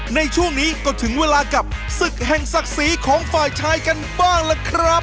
ในช่วงนี้ก็ถึงเวลากับศึกแห่งศักดิ์ศรีของฝ่ายชายกันบ้างล่ะครับ